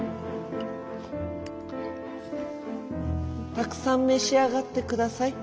「たくさんめしあがってください。